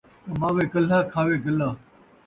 کماوے کلھا ، کھاوے گلا